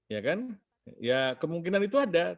ya kan ya kemungkinan itu ada